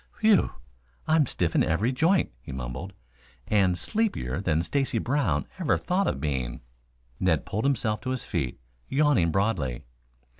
"Whew! I'm stiff in every joint," he mumbled. "And sleepier than Stacy Brown ever thought of being." Ned pulled himself to his feet, yawning broadly.